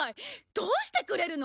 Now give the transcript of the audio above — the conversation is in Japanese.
どうしてくれるの？